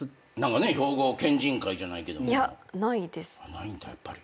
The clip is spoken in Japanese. ないんだやっぱり。